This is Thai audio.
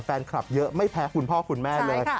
แฟนคลับเยอะไม่แพ้คุณพ่อคุณแม่เลย